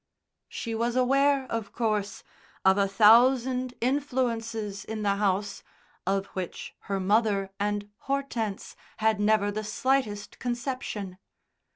She was aware, of course, of a thousand influences in the house of which her mother and Hortense had never the slightest conception.